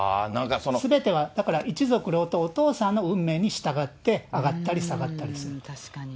すべては一族郎党、お父さんの運命に従って、上がったり下がったりすると。